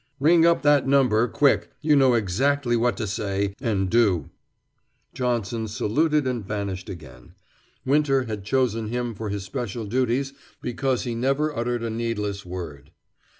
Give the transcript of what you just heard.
"Ring up that number, quick! You know exactly what to say and do!" Johnson saluted and vanished again; Winter had chosen him for his special duties because he never uttered a needless word.